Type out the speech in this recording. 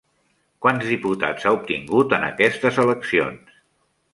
Quants diputats ha obtingut en aquestes eleccions?